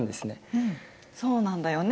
そうなんだよね。